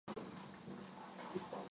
Աննան աստվածաշնչյան անձնանուն է։